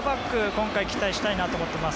今回、期待したいと思います。